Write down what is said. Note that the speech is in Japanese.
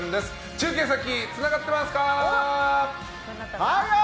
中継先、つながってますか？